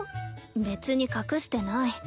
別に隠してない。